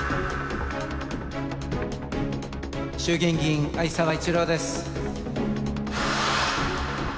衆議院議員、逢沢一郎です。